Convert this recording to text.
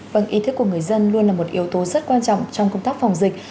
vâng ý thức của người dân luôn là một yếu tố rất quan trọng trong công tác phòng dịch